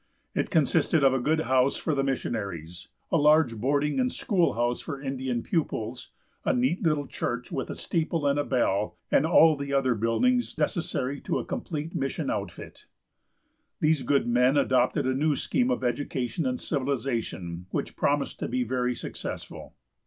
It consisted of a good house for the missionaries, a large boarding and school house for Indian pupils, a neat little church, with a steeple and a bell, and all the other buildings necessary to a complete mission outfit. These good men adopted a new scheme of education and civilization, which promised to be very successful.